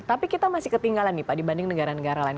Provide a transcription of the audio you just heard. tapi kita masih ketinggalan nih pak dibanding negara negara lain